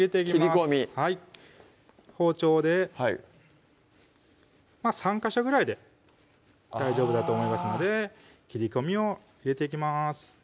切り込みはい包丁で３ヵ所ぐらいで大丈夫だと思いますので切り込みを入れていきます